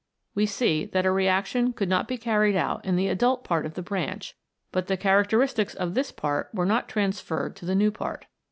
We see that a reaction could not be carried out in the adult part of the branch, but the characteristics of this part were not transferred to the new part.